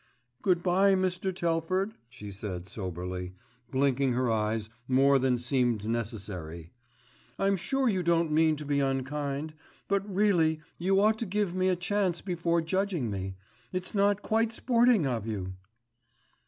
"Good bye, Mr. Telford," she said soberly, blinking her eyes more than seemed necessary, "I'm sure you don't mean to be unkind; but really you ought to give me a chance before judging me. It's not quite sporting of you."